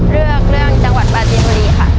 เรื่องจังหวัดปลาจีนบุรีค่ะ